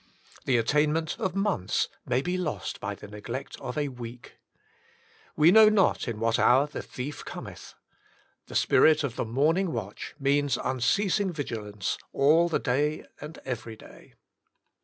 The attainment of months may be lost bx the^ne^ledLol A.."^YeeL We know not in what hour the thief cometh. The spirit of the morning watch means unceasing vigilance all the day and every day.